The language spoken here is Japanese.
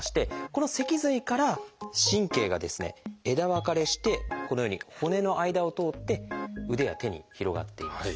この脊髄から神経がですね枝分かれしてこのように骨の間を通って腕や手に広がっています。